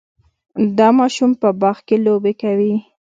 دا ماشوم په باغ کې لوبې کوي.